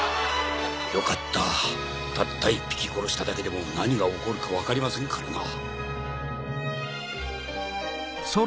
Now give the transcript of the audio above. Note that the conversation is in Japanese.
よかったたった１匹殺しただけでも何が起こるか分かりませんからな。